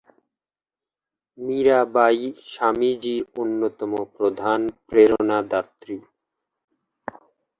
মীরাবাঈ স্বামীজীর অন্যতম প্রধান প্রেরণাদাত্রী।